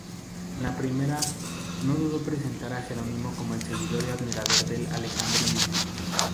En la primera, no dudó presentar a Jerónimo como seguidor y admirador del alejandrino.